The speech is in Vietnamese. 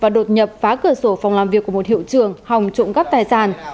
nhập phá cửa sổ phòng làm việc của một hiệu trưởng hòng trộm cắp tài sản